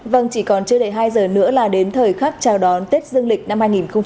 vâng chỉ còn chưa đầy hai giờ nữa là đến thời khắc chào đón tết dương lịch năm hai nghìn hai mươi